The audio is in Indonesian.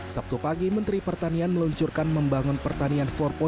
sabtu pagi menteri pertanian meluncurkan membangun pertanian empat